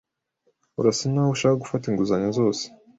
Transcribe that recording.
Urasa naho ushaka gufata inguzanyo zose.